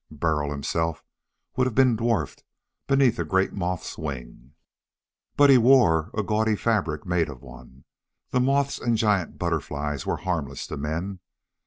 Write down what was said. Burl himself would have been dwarfed beneath a great moth's wing. But he wore a gaudy fabric made of one. The moths and giant butterflies were harmless to men.